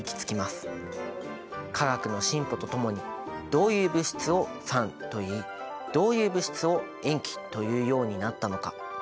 化学の進歩とともにどういう物質を酸といいどういう物質を塩基というようになったのか。